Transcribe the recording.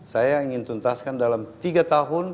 saya ingin tuntaskan dalam tiga tahun